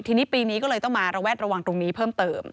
ทีนี้ปีนี้ก็เลยต้องมาระแวดระวังตรงนี้เพิ่มเติม